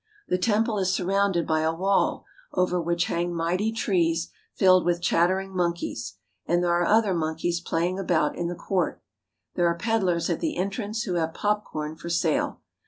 The temple is surrounded by a wall over which hang mighty trees filled with chattering monkeys, and there are other monkeys playing about in the court. There are peddlers at the entrance who have pop corn for sale.